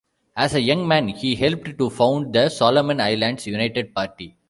As a young man he helped to found the Solomon Islands United Party.